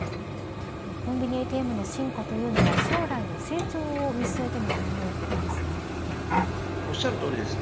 コンビニＡＴＭの進化は将来の成長見据えてのもおっしゃるとおりです。